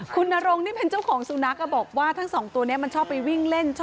คุณนรงนี่เป็นเจ้าของสุนัขบอกว่าทั้งสองตัวนี้มันชอบไปวิ่งเล่น